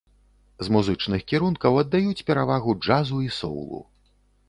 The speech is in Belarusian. З музычных кірункаў аддаюць перавагу джазу і соўлу.